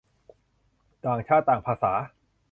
ต่างชาติต่างภาษา